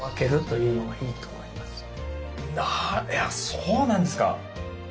そうなんですか。